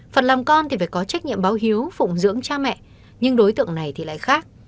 phần làm con thì phải có trách nhiệm báo hiếu phụng dưỡng cha mẹ nhưng đối tượng này thì lại khác